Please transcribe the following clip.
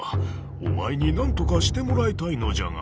お前になんとかしてもらいたいのじゃが。